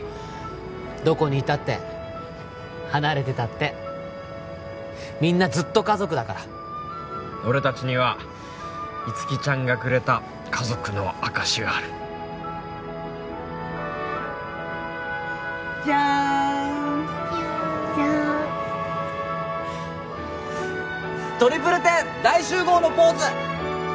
どこにいたって離れてたってみんなずっと家族だから俺達にはいつきちゃんがくれた家族の証しがあるジャーンジャーントリプルテン大集合のポーズ！